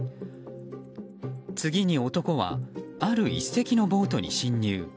次に男はある１隻のボートに侵入。